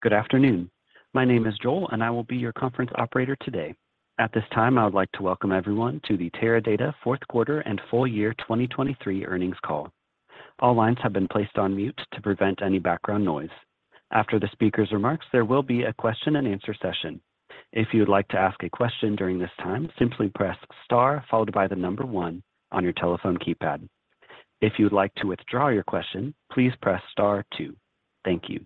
Good afternoon. My name is Joel, and I will be your conference operator today. At this time, I would like to welcome everyone to the Teradata fourth quarter and full year 2023 earnings call. All lines have been placed on mute to prevent any background noise. After the speaker's remarks, there will be a question-and-answer session. If you would like to ask a question during this time, simply press star followed by the number one on your telephone keypad. If you would like to withdraw your question, please press star two. Thank you.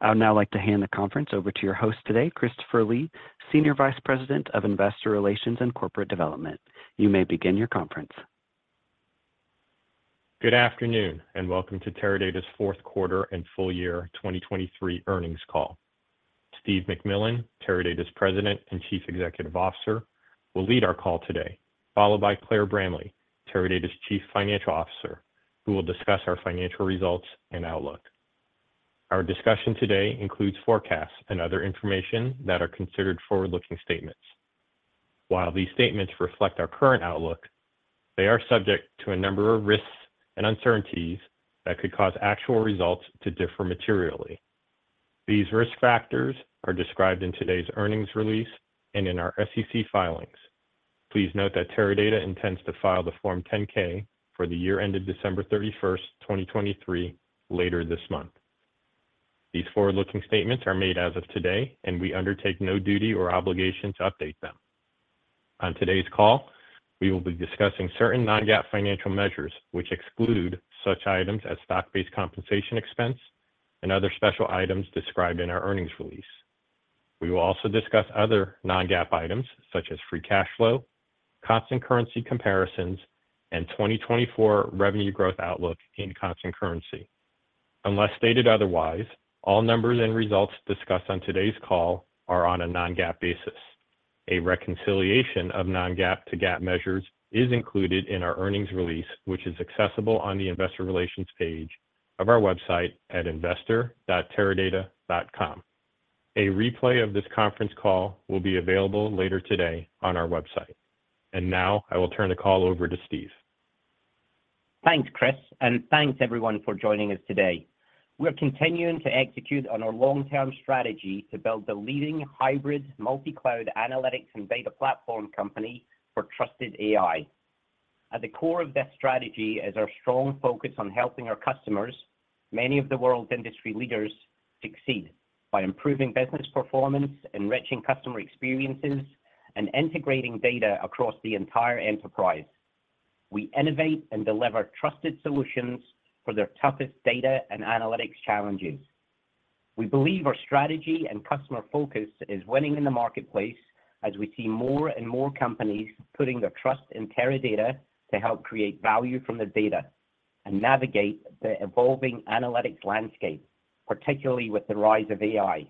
I would now like to hand the conference over to your host today, Christopher Lee, Senior Vice President of Investor Relations and Corporate Development. You may begin your conference. Good afternoon and welcome to Teradata's fourth quarter and full year 2023 earnings call. Steve McMillan, Teradata's President and Chief Executive Officer, will lead our call today, followed by Claire Bramley, Teradata's Chief Financial Officer, who will discuss our financial results and outlook. Our discussion today includes forecasts and other information that are considered forward-looking statements. While these statements reflect our current outlook, they are subject to a number of risks and uncertainties that could cause actual results to differ materially. These risk factors are described in today's earnings release and in our SEC filings. Please note that Teradata intends to file the Form 10-K for the year ended December 31, 2023, later this month. These forward-looking statements are made as of today, and we undertake no duty or obligation to update them. On today's call, we will be discussing certain non-GAAP financial measures which exclude such items as stock-based compensation expense and other special items described in our earnings release. We will also discuss other non-GAAP items such as free cash flow, constant currency comparisons, and 2024 revenue growth outlook in constant currency. Unless stated otherwise, all numbers and results discussed on today's call are on a non-GAAP basis. A reconciliation of non-GAAP to GAAP measures is included in our earnings release, which is accessible on the Investor Relations page of our website at investor.teradata.com. A replay of this conference call will be available later today on our website. Now I will turn the call over to Steve. Thanks, Chris, and thanks everyone for joining us today. We are continuing to execute on our long-term strategy to build the leading Hybrid Multi-Cloud analytics and data platform company for trusted AI. At the core of this strategy is our strong focus on helping our customers, many of the world's industry leaders, succeed by improving business performance, enriching customer experiences, and integrating data across the entire enterprise. We innovate and deliver trusted solutions for their toughest data and analytics challenges. We believe our strategy and customer focus is winning in the marketplace as we see more and more companies putting their trust in Teradata to help create value from the data and navigate the evolving analytics landscape, particularly with the rise of AI.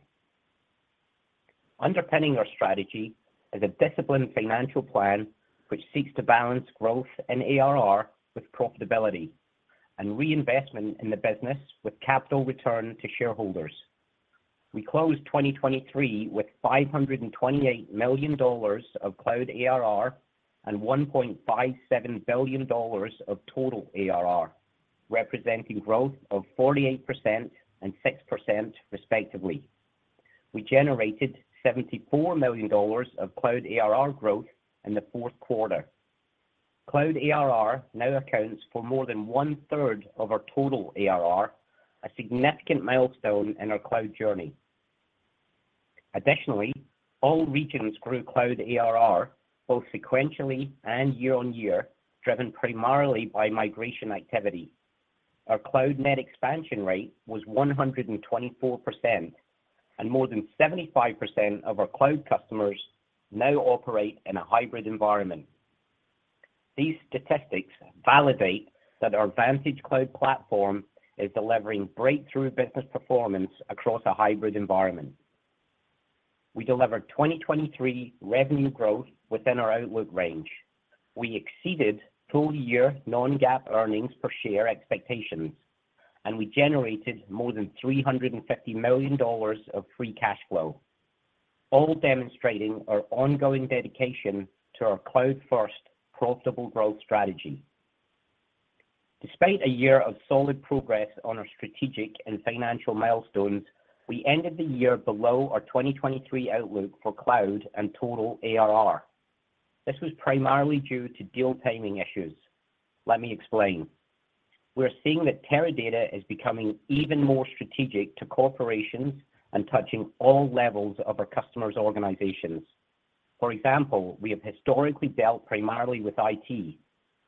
Underpinning our strategy is a disciplined financial plan which seeks to balance growth in ARR with profitability and reinvestment in the business with capital return to shareholders. We closed 2023 with $528 million of cloud ARR and $1.57 billion of total ARR, representing growth of 48% and 6% respectively. We generated $74 million of cloud ARR growth in the fourth quarter. Cloud ARR now accounts for more than 1/3 of our total ARR, a significant milestone in our cloud journey. Additionally, all regions grew cloud ARR both sequentially and year-on-year, driven primarily by migration activity. Our cloud net expansion rate was 124%, and more than 75% of our cloud customers now operate in a hybrid environment. These statistics validate that our Vantage Cloud platform is delivering breakthrough business performance across a hybrid environment. We delivered 2023 revenue growth within our outlook range. We exceeded full year non-GAAP earnings per share expectations, and we generated more than $350 million of free cash flow, all demonstrating our ongoing dedication to our cloud-first profitable growth strategy. Despite a year of solid progress on our strategic and financial milestones, we ended the year below our 2023 outlook for cloud and total ARR. This was primarily due to deal timing issues. Let me explain. We are seeing that Teradata is becoming even more strategic to corporations and touching all levels of our customers' organizations. For example, we have historically dealt primarily with IT.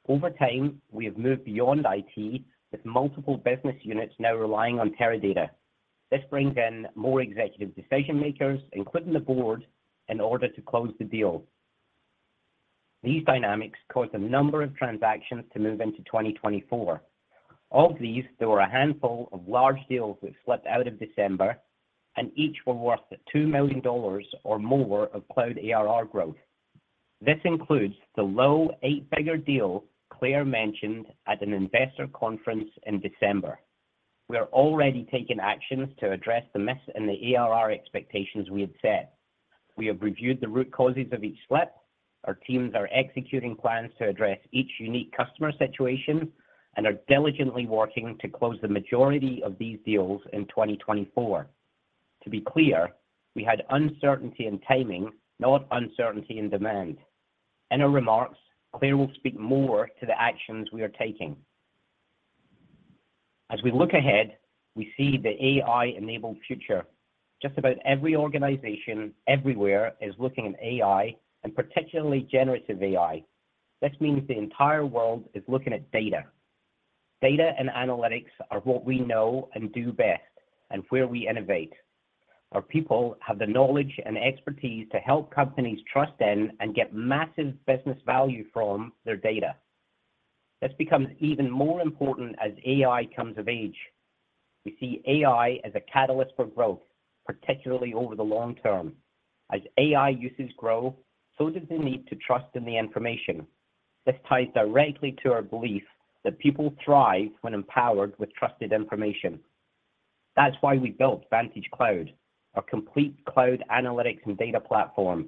Over time, we have moved beyond IT with multiple business units now relying on Teradata. This brings in more executive decision-makers, including the board, in order to close the deal. These dynamics caused a number of transactions to move into 2024. Of these, there were a handful of large deals that slipped out of December, and each were worth $2 million or more of cloud ARR growth. This includes the low eight-figure deal Claire mentioned at an investor conference in December. We are already taking actions to address the miss in the ARR expectations we had set. We have reviewed the root causes of each slip. Our teams are executing plans to address each unique customer situation and are diligently working to close the majority of these deals in 2024. To be clear, we had uncertainty in timing, not uncertainty in demand. In her remarks, Claire will speak more to the actions we are taking. As we look ahead, we see the AI-enabled future. Just about every organization everywhere is looking at AI, and particularly generative AI. This means the entire world is looking at data. Data and analytics are what we know and do best and where we innovate. Our people have the knowledge and expertise to help companies trust in and get massive business value from their data. This becomes even more important as AI comes of age. We see AI as a catalyst for growth, particularly over the long term. As AI uses grow, so does the need to trust in the information. This ties directly to our belief that people thrive when empowered with trusted information. That's why we built Vantage Cloud, our complete cloud analytics and data platform.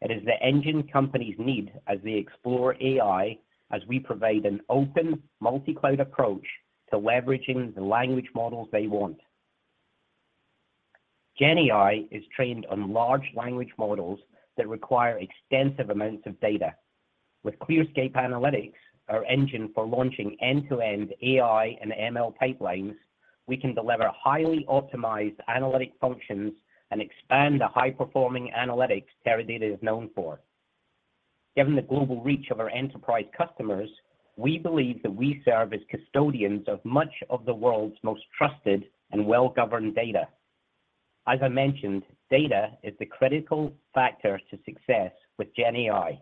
It is the engine companies need as they explore AI as we provide an open multi-cloud approach to leveraging the language models they want. GenAI is trained on large language models that require extensive amounts of data. With ClearScape Analytics, our engine for launching end-to-end AI and ML pipelines, we can deliver highly optimized analytic functions and expand the high-performing analytics Teradata is known for. Given the global reach of our enterprise customers, we believe that we serve as custodians of much of the world's most trusted and well-governed data. As I mentioned, data is the critical factor to success with GenAI.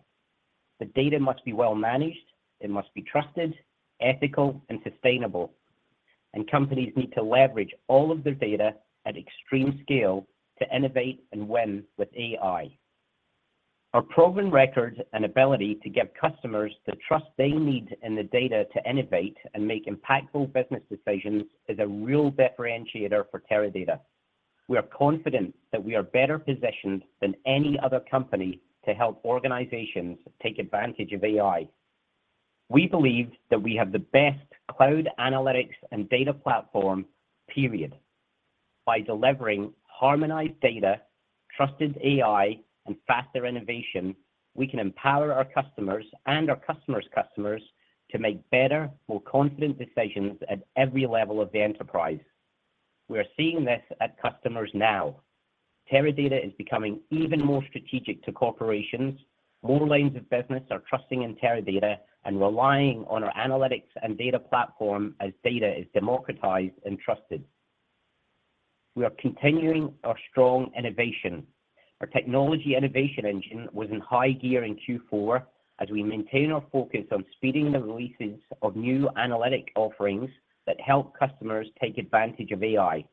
The data must be well-managed, it must be trusted, ethical, and sustainable. And companies need to leverage all of their data at extreme scale to innovate and win with AI. Our proven records and ability to give customers the trust they need in the data to innovate and make impactful business decisions is a real differentiator for Teradata. We are confident that we are better positioned than any other company to help organizations take advantage of AI. We believe that we have the best cloud analytics and data platform, period. By delivering harmonized data, trusted AI, and faster innovation, we can empower our customers and our customers' customers to make better, more confident decisions at every level of the enterprise. We are seeing this at customers now. Teradata is becoming even more strategic to corporations. More lines of business are trusting in Teradata and relying on our analytics and data platform as data is democratized and trusted. We are continuing our strong innovation. Our technology innovation engine was in high gear in Q4 as we maintain our focus on speeding the releases of new analytic offerings that help customers take advantage of AI.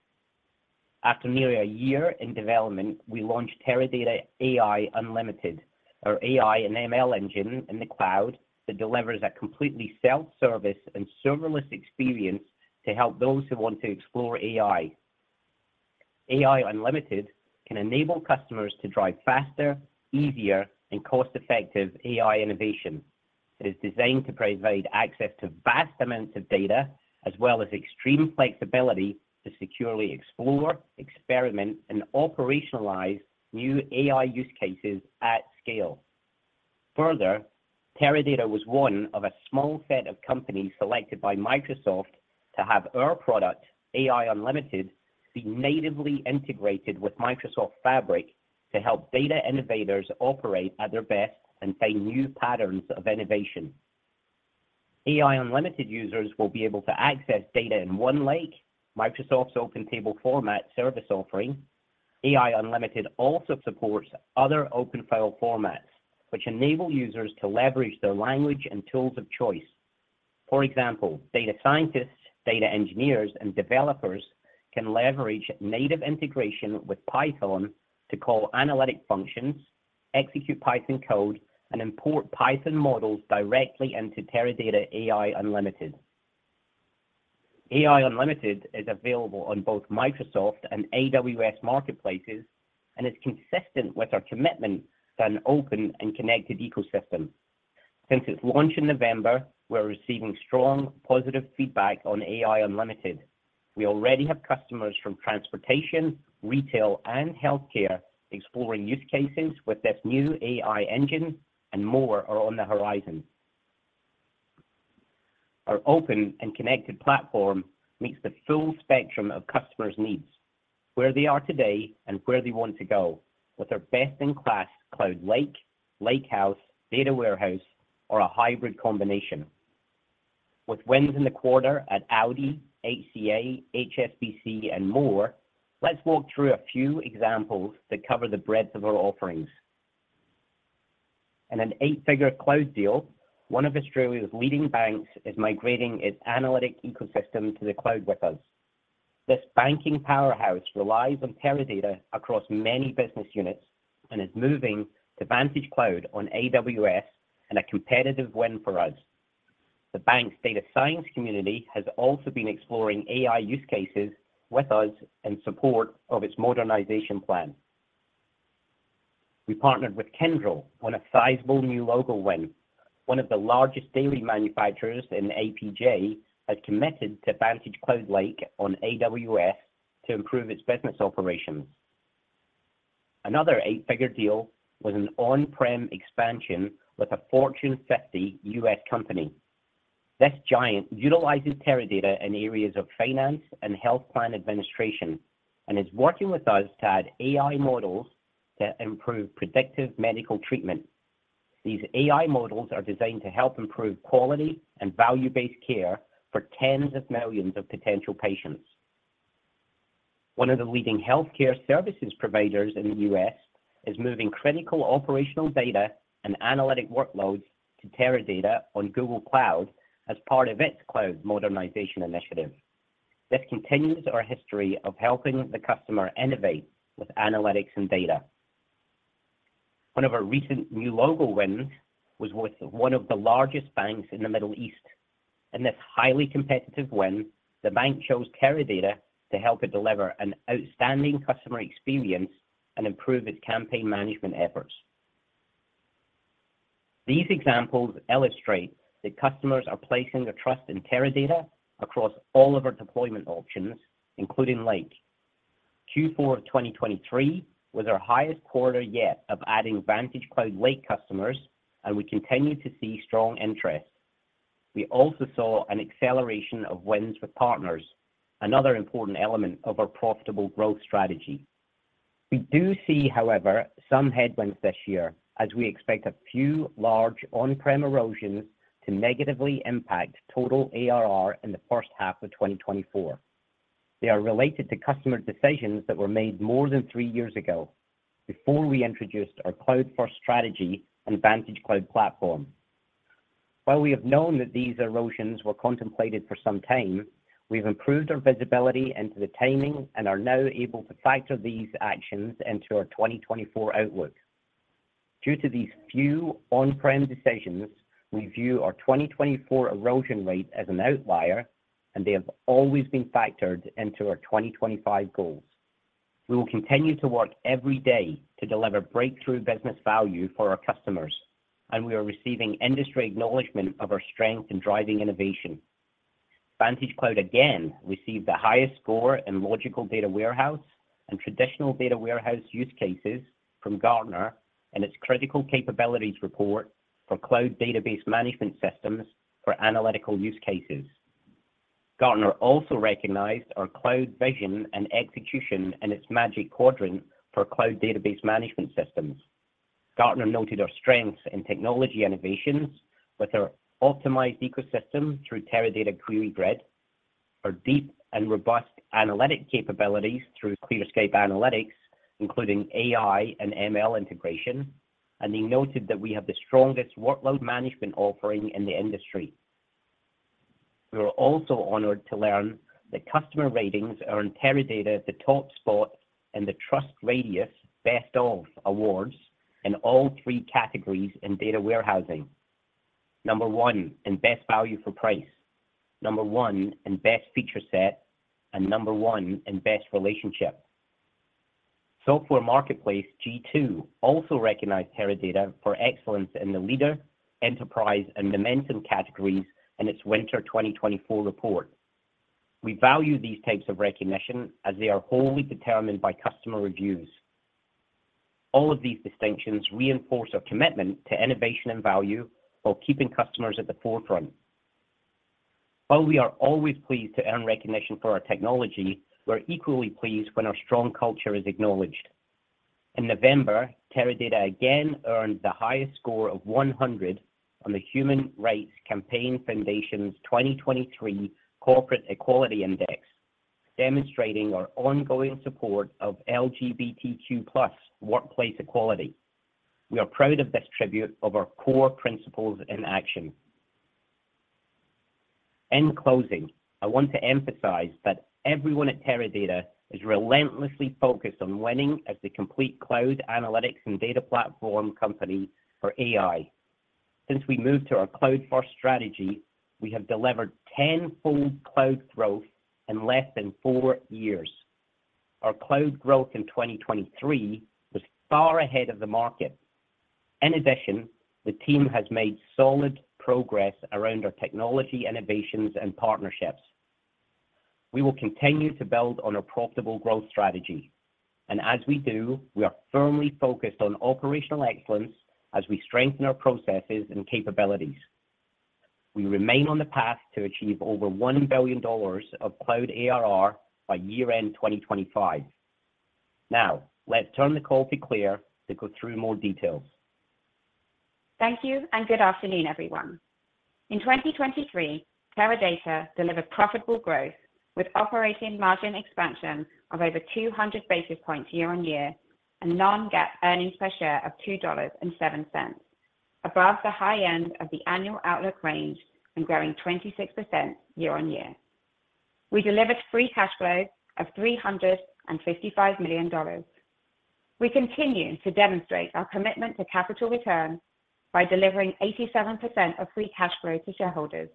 After nearly a year in development, we launched Teradata AI Unlimited, our AI and ML engine in the cloud that delivers a completely self-service and serverless experience to help those who want to explore AI. AI Unlimited can enable customers to drive faster, easier, and cost-effective AI innovation. It is designed to provide access to vast amounts of data as well as extreme flexibility to securely explore, experiment, and operationalize new AI use cases at scale. Further, Teradata was one of a small set of companies selected by Microsoft to have our product, AI Unlimited, be natively integrated with Microsoft Fabric to help data innovators operate at their best and find new patterns of innovation. AI Unlimited users will be able to access data in OneLake, Microsoft's open table format service offering. AI Unlimited also supports other open file formats, which enable users to leverage their language and tools of choice. For example, data scientists, data engineers, and developers can leverage native integration with Python to call analytic functions, execute Python code, and import Python models directly into Teradata AI Unlimited. AI Unlimited is available on both Microsoft and AWS marketplaces and is consistent with our commitment to an open and connected ecosystem. Since its launch in November, we're receiving strong positive feedback on AI Unlimited. We already have customers from transportation, retail, and healthcare exploring use cases with this new AI engine, and more are on the horizon. Our open and connected platform meets the full spectrum of customers' needs, where they are today and where they want to go, with our best-in-class Cloud Lake, Lakehouse, Data Warehouse, or a hybrid combination. With wins in the quarter at Audi, HCA, HSBC, and more, let's walk through a few examples that cover the breadth of our offerings. In an eight-figure cloud deal, one of Australia's leading banks is migrating its analytic ecosystem to the cloud with us. This banking powerhouse relies on Teradata across many business units and is moving to Vantage Cloud on AWS, and a competitive win for us. The bank's data science community has also been exploring AI use cases with us in support of its modernization plan. We partnered with Kyndryl on a sizable new logo win. One of the largest daily manufacturers in APJ has committed to Vantage Cloud Lake on AWS to improve its business operations. Another eight-figure deal was an on-prem expansion with a Fortune 50 U.S. company. This giant utilizes Teradata in areas of finance and health plan administration and is working with us to add AI models to improve predictive medical treatment. These AI models are designed to help improve quality and value-based care for tens of millions of potential patients. One of the leading healthcare services providers in the U.S. is moving critical operational data and analytic workloads to Teradata on Google Cloud as part of its cloud modernization initiative. This continues our history of helping the customer innovate with analytics and data. One of our recent new logo wins was with one of the largest banks in the Middle East. In this highly competitive win, the bank chose Teradata to help it deliver an outstanding customer experience and improve its campaign management efforts. These examples illustrate that customers are placing their trust in Teradata across all of our deployment options, including Lake. Q4 of 2023 was our highest quarter yet of adding Vantage Cloud Lake customers, and we continue to see strong interest. We also saw an acceleration of wins with partners, another important element of our profitable growth strategy. We do see, however, some headwinds this year, as we expect a few large on-prem erosions to negatively impact total ARR in the first half of 2024. They are related to customer decisions that were made more than three years ago before we introduced our cloud-first strategy and Vantage Cloud platform. While we have known that these erosions were contemplated for some time, we've improved our visibility into the timing and are now able to factor these actions into our 2024 outlook. Due to these few on-prem decisions, we view our 2024 erosion rate as an outlier, and they have always been factored into our 2025 goals. We will continue to work every day to deliver breakthrough business value for our customers, and we are receiving industry acknowledgment of our strength in driving innovation. Vantage Cloud again received the highest score in Logical Data Warehouse and Traditional Data Warehouse use cases from Gartner in its critical capabilities report for Cloud Database Management Systems for analytical use cases. Gartner also recognized our cloud vision and execution in its Magic Quadrant for Cloud Database Management Systems. Gartner noted our strengths in technology innovations with our optimized ecosystem through Teradata QueryGrid, our deep and robust analytic capabilities through ClearScape Analytics, including AI and ML integration, and they noted that we have the strongest workload management offering in the industry. We were also honored to learn that customer ratings earn Teradata the top spot in the TrustRadius Best of Awards in all three categories in data warehousing. Number one in best value for price, number one in best feature set, and number one in best relationship. Software marketplace G2 also recognized Teradata for excellence in the leader, enterprise, and momentum categories in its Winter 2024 report. We value these types of recognition as they are wholly determined by customer reviews. All of these distinctions reinforce our commitment to innovation and value while keeping customers at the forefront. While we are always pleased to earn recognition for our technology, we're equally pleased when our strong culture is acknowledged. In November, Teradata again earned the highest score of 100 on the Human Rights Campaign Foundation's 2023 Corporate Equality Index, demonstrating our ongoing support of LGBTQ+ workplace equality. We are proud of this tribute of our core principles in action. In closing, I want to emphasize that everyone at Teradata is relentlessly focused on winning as the complete cloud analytics and data platform company for AI. Since we moved to our cloud-first strategy, we have delivered tenfold cloud growth in less than four years. Our cloud growth in 2023 was far ahead of the market. In addition, the team has made solid progress around our technology innovations and partnerships. We will continue to build on our profitable growth strategy. As we do, we are firmly focused on operational excellence as we strengthen our processes and capabilities. We remain on the path to achieve over $1 billion of cloud ARR by year-end 2025. Now, let's turn the call to Claire to go through more details. Thank you, and good afternoon, everyone. In 2023, Teradata delivered profitable growth with operating margin expansion of over 200 basis points year-over-year, a non-GAAP earnings per share of $2.07, above the high end of the annual outlook range and growing 26% year-over-year. We delivered free cash flow of $355 million. We continue to demonstrate our commitment to capital return by delivering 87% of free cash flow to shareholders,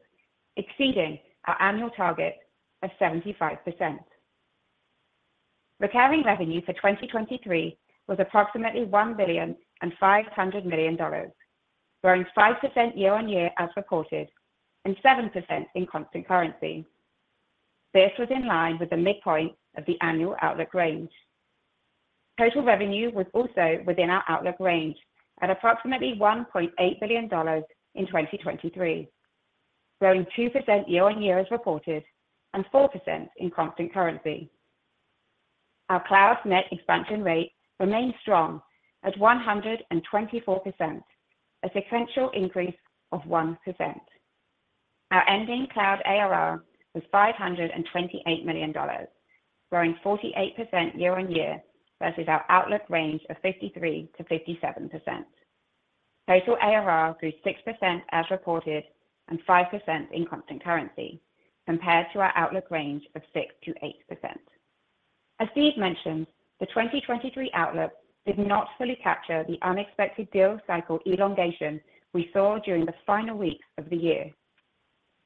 exceeding our annual target of 75%. Recurring revenue for 2023 was approximately $1 billion and $500 million, growing 5% year-over-year as reported and 7% in constant currency. This was in line with the midpoint of the annual outlook range. Total revenue was also within our outlook range at approximately $1.8 billion in 2023, growing 2% year-over-year as reported and 4% in constant currency. Our cloud net expansion rate remained strong at 124%, a sequential increase of 1%. Our ending cloud ARR was $528 million, growing 48% year-over-year versus our outlook range of 53%-57%. Total ARR grew 6% as reported and 5% in constant currency, compared to our outlook range of 6%-8%. As Steve mentioned, the 2023 outlook did not fully capture the unexpected deal cycle elongation we saw during the final weeks of the year.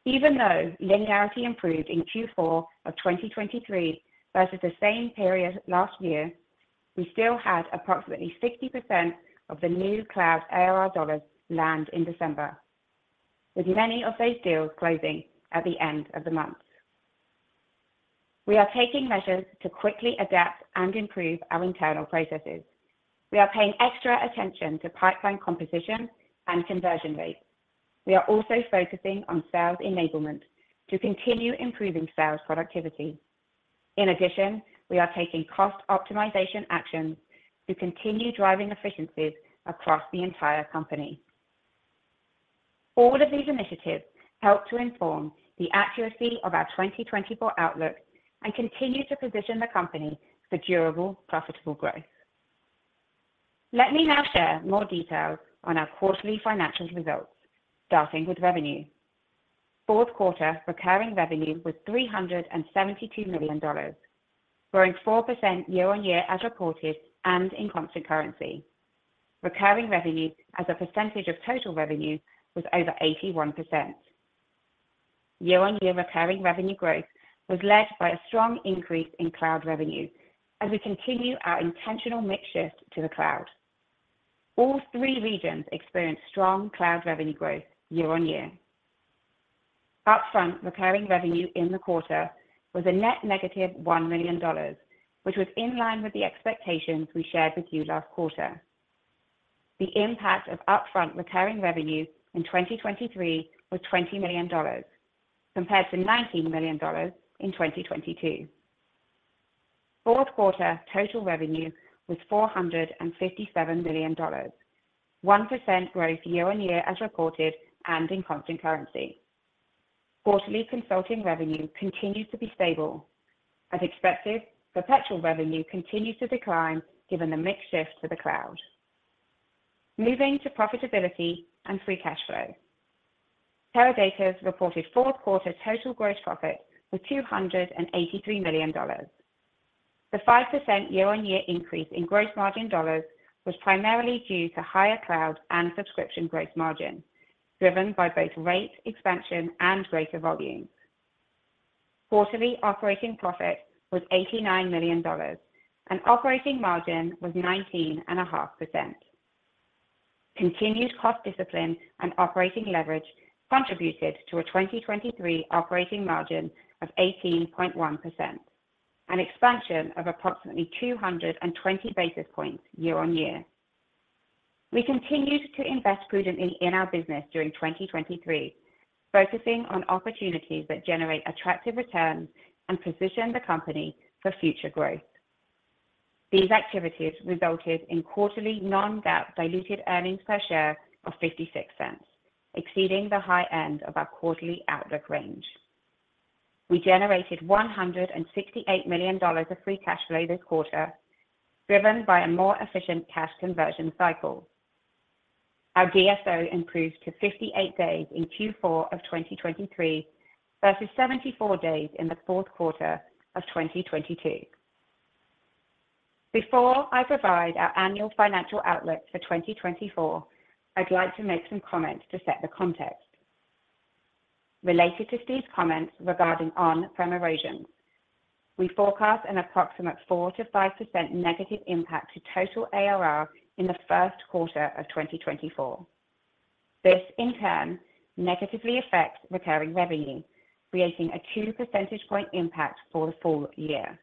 Even though linearity improved in Q4 of 2023 versus the same period last year, we still had approximately 60% of the new cloud ARR dollars land in December, with many of those deals closing at the end of the month. We are taking measures to quickly adapt and improve our internal processes. We are paying extra attention to pipeline composition and conversion rates. We are also focusing on sales enablement to continue improving sales productivity. In addition, we are taking cost optimization actions to continue driving efficiencies across the entire company. All of these initiatives help to inform the accuracy of our 2024 outlook and continue to position the company for durable, profitable growth. Let me now share more details on our quarterly financial results, starting with revenue. Fourth quarter, recurring revenue was $372 million, growing 4% year-on-year as reported and in constant currency. Recurring revenue, as a percentage of total revenue, was over 81%. Year-on-year recurring revenue growth was led by a strong increase in cloud revenue as we continue our intentional mix shift to the cloud. All three regions experienced strong cloud revenue growth year-on-year. Upfront recurring revenue in the quarter was a net negative $1 million, which was in line with the expectations we shared with you last quarter. The impact of upfront recurring revenue in 2023 was $20 million, compared to $19 million in 2022. Fourth quarter, total revenue was $457 million, 1% growth year-on-year as reported and in constant currency. Quarterly consulting revenue continues to be stable. As expected, perpetual revenue continues to decline given the mix shift to the cloud. Moving to profitability and free cash flow. Teradata's reported fourth quarter total gross profit was $283 million. The 5% year-on-year increase in gross margin dollars was primarily due to higher cloud and subscription gross margin, driven by both rate expansion and greater volumes. Quarterly operating profit was $89 million, and operating margin was 19.5%. Continued cost discipline and operating leverage contributed to a 2023 operating margin of 18.1%, an expansion of approximately 220 basis points year-over-year. We continued to invest prudently in our business during 2023, focusing on opportunities that generate attractive returns and position the company for future growth. These activities resulted in quarterly non-GAAP diluted earnings per share of $0.56, exceeding the high end of our quarterly outlook range. We generated $168 million of free cash flow this quarter, driven by a more efficient cash conversion cycle. Our DSO improved to 58 days in Q4 of 2023 versus 74 days in the fourth quarter of 2022. Before I provide our annual financial outlook for 2024, I'd like to make some comments to set the context. Related to Steve's comments regarding on-prem erosions, we forecast an approximate 4%-5% negative impact to total ARR in the first quarter of 2024. This, in turn, negatively affects recurring revenue, creating a 2 percentage point impact for the full year.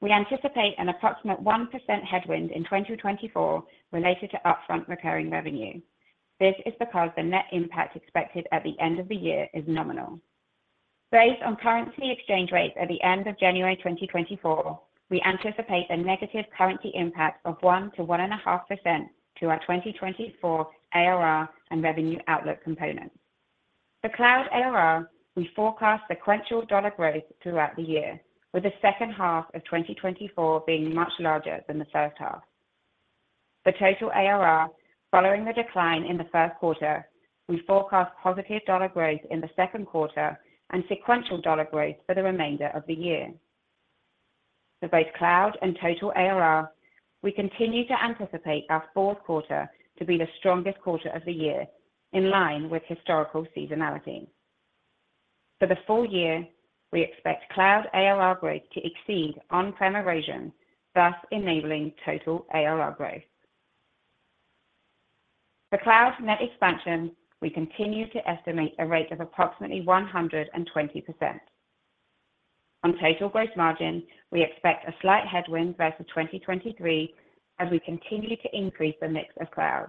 We anticipate an approximate 1% headwind in 2024 related to upfront recurring revenue. This is because the net impact expected at the end of the year is nominal. Based on currency exchange rates at the end of January 2024, we anticipate a negative currency impact of 1%-1.5% to our 2024 ARR and revenue outlook components. For cloud ARR, we forecast sequential dollar growth throughout the year, with the second half of 2024 being much larger than the first half. For total ARR, following the decline in the first quarter, we forecast positive dollar growth in the second quarter and sequential dollar growth for the remainder of the year. For both cloud and total ARR, we continue to anticipate our fourth quarter to be the strongest quarter of the year, in line with historical seasonality. For the full year, we expect cloud ARR growth to exceed on-prem erosion, thus enabling total ARR growth. For cloud net expansion, we continue to estimate a rate of approximately 120%. On total gross margin, we expect a slight headwind versus 2023 as we continue to increase the mix of cloud,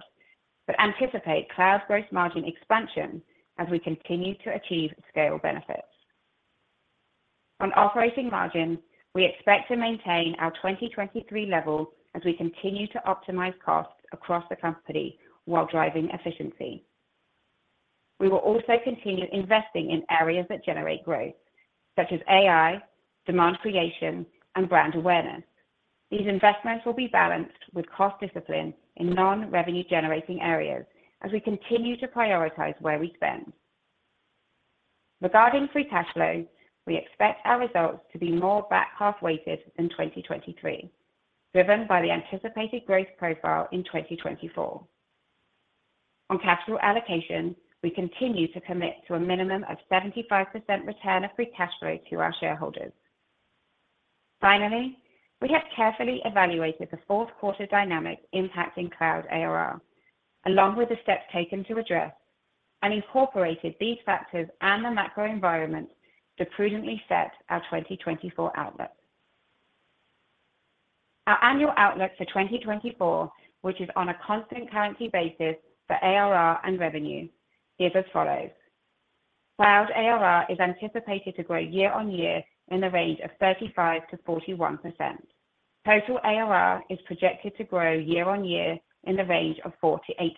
but anticipate cloud gross margin expansion as we continue to achieve scale benefits. On operating margin, we expect to maintain our 2023 level as we continue to optimize costs across the company while driving efficiency. We will also continue investing in areas that generate growth, such as AI, demand creation, and brand awareness. These investments will be balanced with cost discipline in non-revenue-generating areas as we continue to prioritize where we spend. Regarding free cash flow, we expect our results to be more back-half-weighted than 2023, driven by the anticipated growth profile in 2024. On capital allocation, we continue to commit to a minimum of 75% return of free cash flow to our shareholders. Finally, we have carefully evaluated the fourth quarter dynamics impacting cloud ARR, along with the steps taken to address and incorporated these factors and the macro environment to prudently set our 2024 outlook. Our annual outlook for 2024, which is on a constant currency basis for ARR and revenue, is as follows. Cloud ARR is anticipated to grow year-on-year in the range of 35%-41%. Total ARR is projected to grow year-over-year in the range of 48%.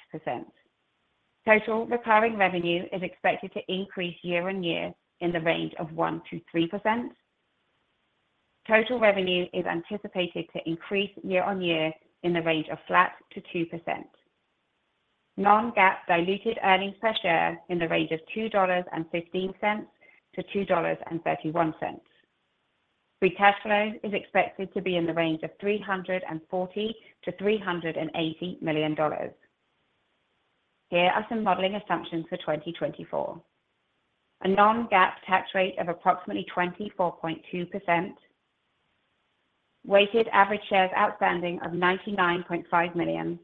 Total recurring revenue is expected to increase year-over-year in the range of 1%-3%. Total revenue is anticipated to increase year-over-year in the range of flat to 2%. Non-GAAP diluted earnings per share in the range of $2.15-$2.31. Free cash flow is expected to be in the range of $340 million-$380 million. Here are some modeling assumptions for 2024: a Non-GAAP tax rate of approximately 24.2%, weighted average shares outstanding of 99.5 million,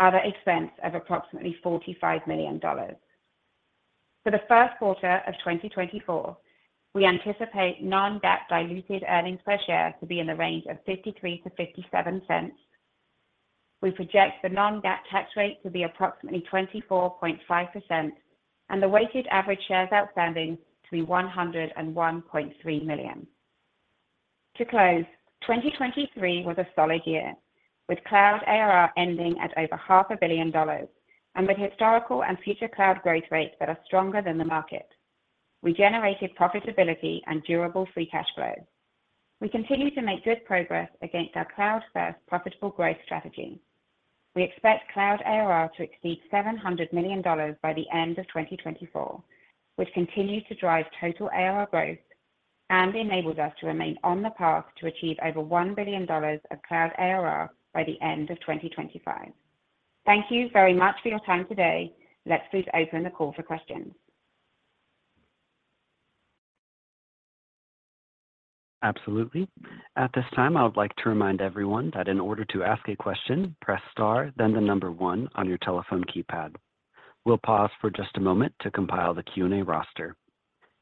other expense of approximately $45 million. For the first quarter of 2024, we anticipate Non-GAAP diluted earnings per share to be in the range of $0.53-$0.57. We project the Non-GAAP tax rate to be approximately 24.5% and the weighted average shares outstanding to be 101.3 million. To close, 2023 was a solid year, with cloud ARR ending at over $500 million and with historical and future cloud growth rates that are stronger than the market. We generated profitability and durable free cash flow. We continue to make good progress against our cloud-first profitable growth strategy. We expect cloud ARR to exceed $700 million by the end of 2024, which continues to drive total ARR growth and enables us to remain on the path to achieve over $1 billion of cloud ARR by the end of 2025. Thank you very much for your time today. Let's please open the call for questions. Absolutely. At this time, I would like to remind everyone that in order to ask a question, press star, then the number one on your telephone keypad. We'll pause for just a moment to compile the Q&A roster.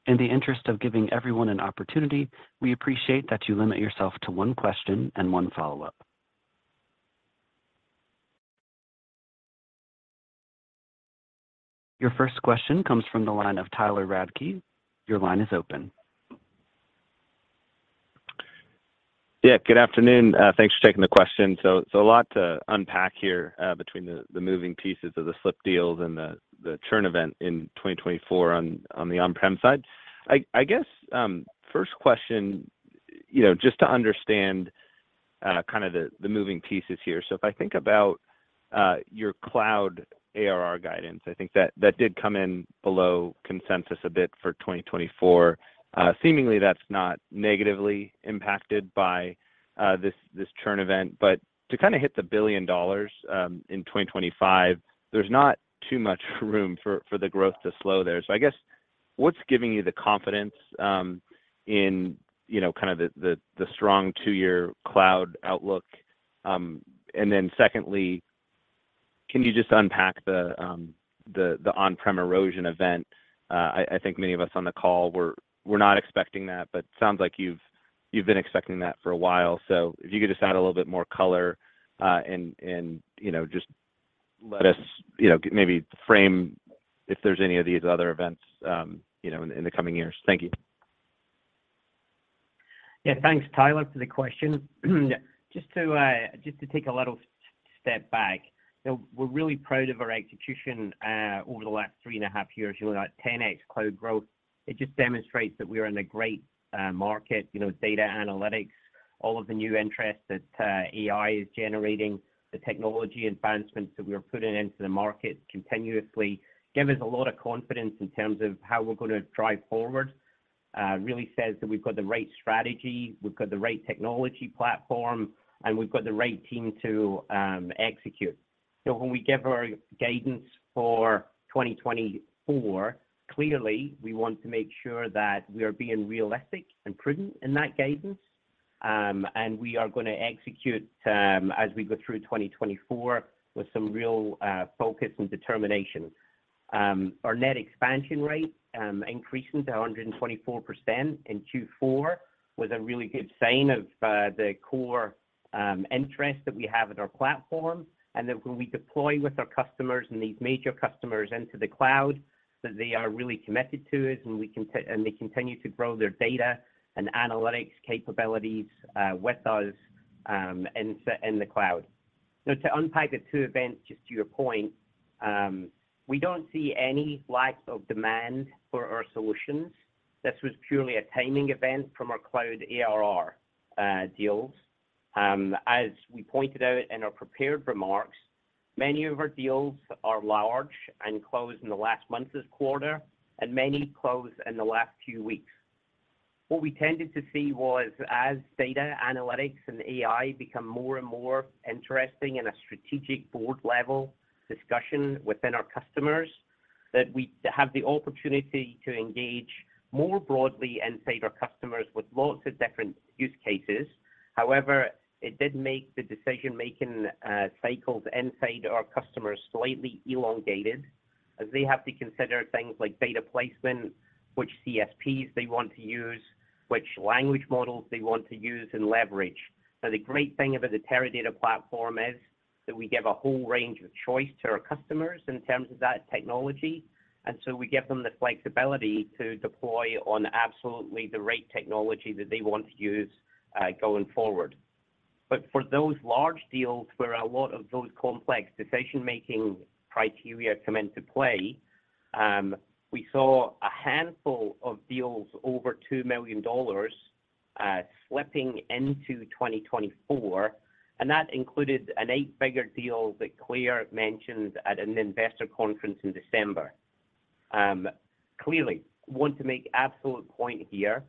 In the interest of giving everyone an opportunity, we appreciate that you limit yourself to one question and one follow-up. Your first question comes from the line of Tyler Radke. Your line is open. Yeah, good afternoon. Thanks for taking the question. So a lot to unpack here between the moving pieces of the slip deals and the churn event in 2024 on the on-prem side. I guess, first question, just to understand kind of the moving pieces here. So if I think about your cloud ARR guidance, I think that did come in below consensus a bit for 2024. Seemingly, that's not negatively impacted by this churn event. But to kind of hit $1 billion in 2025, there's not too much room for the growth to slow there. So I guess, what's giving you the confidence in kind of the strong two-year cloud outlook? And then secondly, can you just unpack the on-prem erosion event? I think many of us on the call were not expecting that, but it sounds like you've been expecting that for a while. If you could just add a little bit more color and just let us maybe frame if there's any of these other events in the coming years. Thank you. Yeah, thanks, Tyler, for the question. Just to take a little step back, we're really proud of our execution over the last three and a half years, 10x cloud growth. It just demonstrates that we are in a great market. Data analytics, all of the new interest that AI is generating, the technology advancements that we are putting into the market continuously give us a lot of confidence in terms of how we're going to drive forward. Really says that we've got the right strategy, we've got the right technology platform, and we've got the right team to execute. So when we give our guidance for 2024, clearly, we want to make sure that we are being realistic and prudent in that guidance, and we are going to execute as we go through 2024 with some real focus and determination. Our net expansion rate increasing to 124% in Q4 was a really good sign of the core interest that we have in our platform, and that when we deploy with our customers and these major customers into the cloud, that they are really committed to us and they continue to grow their data and analytics capabilities with us in the cloud. Now, to unpack the two events, just to your point, we don't see any lack of demand for our solutions. This was purely a timing event from our cloud ARR deals. As we pointed out in our prepared remarks, many of our deals are large and close in the last month of the quarter, and many close in the last few weeks. What we tended to see was, as data analytics and AI become more and more interesting in a strategic board-level discussion within our customers, that we have the opportunity to engage more broadly inside our customers with lots of different use cases. However, it did make the decision-making cycles inside our customers slightly elongated as they have to consider things like data placement, which CSPs they want to use, which language models they want to use and leverage. Now, the great thing about the Teradata platform is that we give a whole range of choice to our customers in terms of that technology. And so we give them the flexibility to deploy on absolutely the right technology that they want to use going forward. But for those large deals where a lot of those complex decision-making criteria come into play, we saw a handful of deals over $2 million slipping into 2024. And that included an eight-figure deal that Claire mentioned at an investor conference in December. Clearly, I want to make an absolute point here.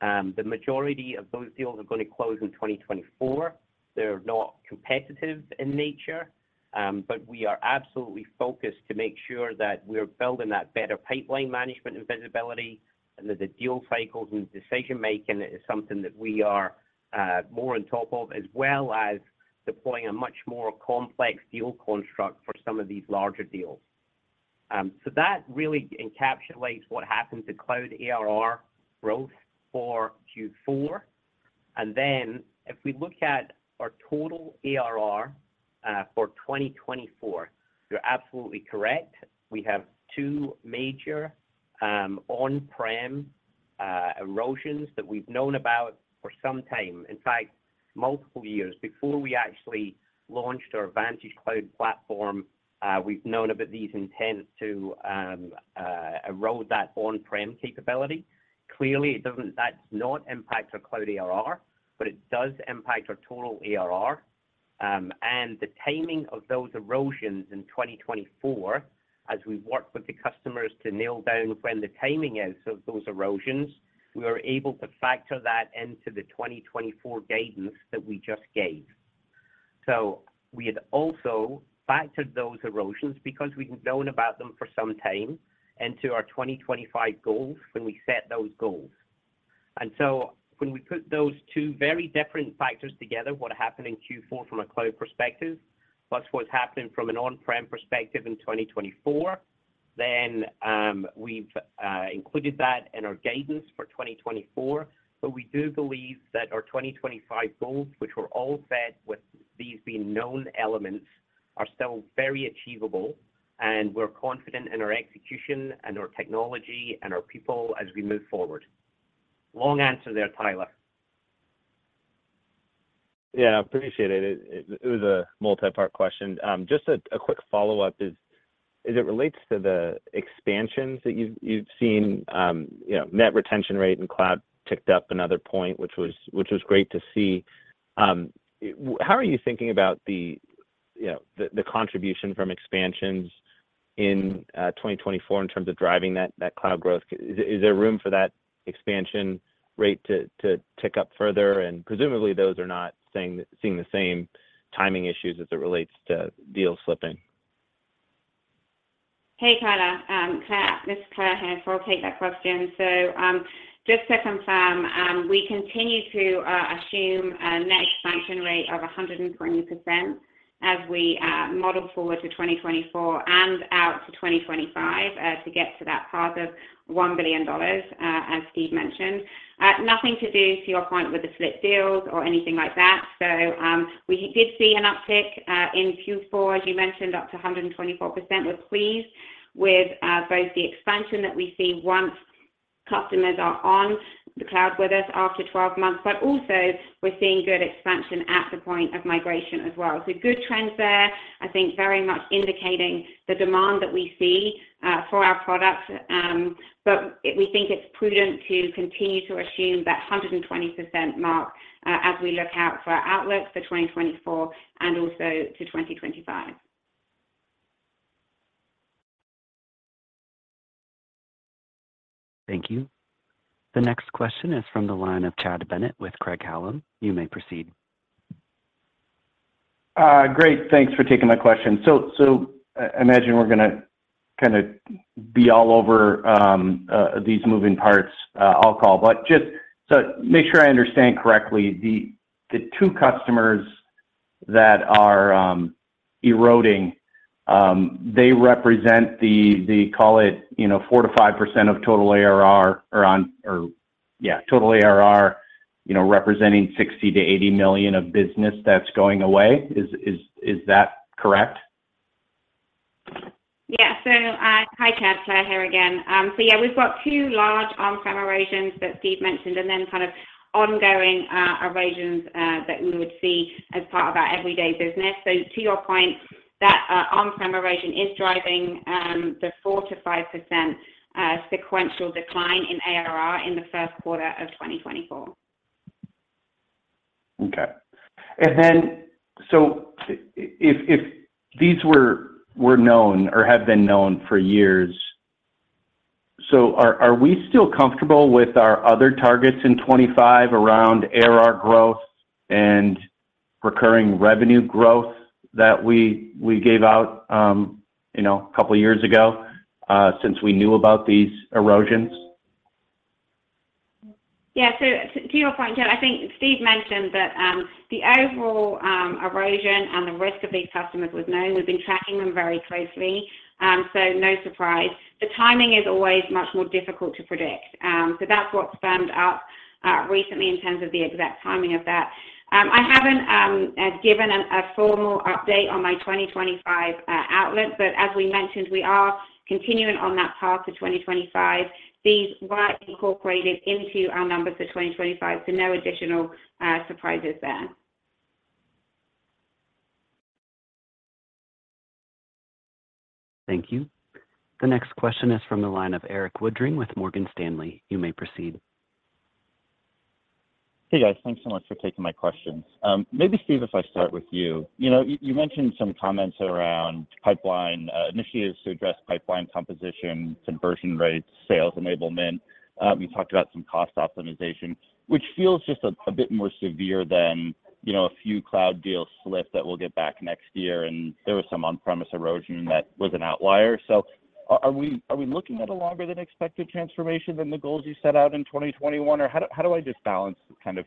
The majority of those deals are going to close in 2024. They're not competitive in nature. But we are absolutely focused to make sure that we're building that better pipeline management and visibility, and that the deal cycles and decision-making is something that we are more on top of, as well as deploying a much more complex deal construct for some of these larger deals. So that really encapsulates what happened to cloud ARR growth for Q4. And then if we look at our total ARR for 2024, you're absolutely correct. We have two major on-prem erosions that we've known about for some time, in fact, multiple years. Before we actually launched our Vantage Cloud platform, we've known about these intent to erode that on-prem capability. Clearly, that's not impacting our Cloud ARR, but it does impact our total ARR. And the timing of those erosions in 2024, as we worked with the customers to nail down when the timing is of those erosions, we were able to factor that into the 2024 guidance that we just gave. So we had also factored those erosions because we'd known about them for some time into our 2025 goals when we set those goals. And so when we put those two very different factors together, what happened in Q4 from a cloud perspective, plus what's happening from an on-prem perspective in 2024, then we've included that in our guidance for 2024. But we do believe that our 2025 goals, which were all set with these being known elements, are still very achievable, and we're confident in our execution and our technology and our people as we move forward. Long answer there, Tyler. Yeah, I appreciate it. It was a multi-part question. Just a quick follow-up. As it relates to the expansions that you've seen, net retention rate and cloud ticked up another point, which was great to see. How are you thinking about the contribution from expansions in 2024 in terms of driving that cloud growth? Is there room for that expansion rate to tick up further? And presumably, those are not seeing the same timing issues as it relates to deal slipping. Hey, Tyler. Ms. Claire Bramley, take that question. So just to confirm, we continue to assume a net expansion rate of 120% as we model forward to 2024 and out to 2025 to get to that part of $1 billion, as Steve mentioned. Nothing to do, to your point, with the slip deals or anything like that. So we did see an uptick in Q4, as you mentioned, up to 124%. We're pleased with both the expansion that we see once customers are on the cloud with us after 12 months, but also we're seeing good expansion at the point of migration as well. So good trends there, I think, very much indicating the demand that we see for our products. But we think it's prudent to continue to assume that 120% mark as we look out for our outlook for 2024 and also to 2025. Thank you. The next question is from the line of Chad Bennett with Craig-Hallum. You may proceed. Great. Thanks for taking my question. So I imagine we're going to kind of be all over these moving parts all call. But just to make sure I understand correctly, the two customers that are eroding, they represent the call it 4%-5% of total ARR or, yeah, total ARR representing $60 million-$80 million of business that's going away. Is that correct? Yeah. So hi, Chad. Sorry, here again. So yeah, we've got two large on-prem erosions that Steve mentioned and then kind of ongoing erosions that we would see as part of our everyday business. So to your point, that on-prem erosion is driving the 4%-5% sequential decline in ARR in the first quarter of 2024. Okay. If these were known or have been known for years, are we still comfortable with our other targets in 2025 around ARR growth and recurring revenue growth that we gave out a couple of years ago since we knew about these erosions? Yeah. So to your point, Chad, I think Steve mentioned that the overall erosion and the risk of these customers was known. We've been tracking them very closely, so no surprise. The timing is always much more difficult to predict. So that's what's happened recently in terms of the exact timing of that. I haven't given a formal update on my 2025 outlook, but as we mentioned, we are continuing on that path to 2025. These were incorporated into our numbers for 2025, so no additional surprises there. Thank you. The next question is from the line of Erik Woodring with Morgan Stanley. You may proceed. Hey, guys. Thanks so much for taking my questions. Maybe, Steve, if I start with you. You mentioned some comments around initiatives to address pipeline composition, conversion rates, sales enablement. You talked about some cost optimization, which feels just a bit more severe than a few cloud deals slipped that we'll get back next year. And there was some on-premise erosion that was an outlier. So are we looking at a longer-than-expected transformation than the goals you set out in 2021, or how do I just balance kind of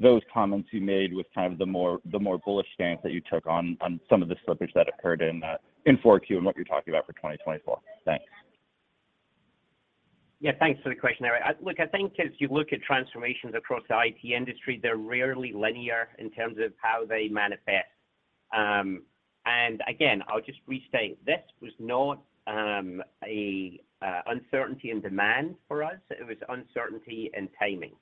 those comments you made with kind of the more bullish stance that you took on some of the slippage that occurred in 4Q and what you're talking about for 2024? Thanks. Yeah, thanks for the question, Eric. Look, I think as you look at transformations across the IT industry, they're rarely linear in terms of how they manifest. And again, I'll just restate, this was not an uncertainty in demand for us. It was uncertainty in timing.